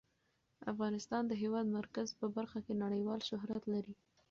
افغانستان د د هېواد مرکز په برخه کې نړیوال شهرت لري.